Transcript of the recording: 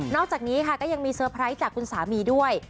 อกจากนี้ค่ะก็ยังมีเซอร์ไพรส์จากคุณสามีด้วย